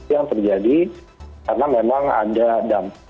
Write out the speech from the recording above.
yang terjadi karena memang ada dampak